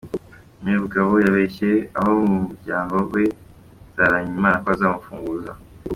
Me Bugabo yabeshye abo mu muryango wa Nzaramyimana ko azamufunguza.